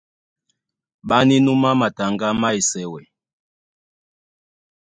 Ɓá nínúmá mataŋgá má Esɛwɛ.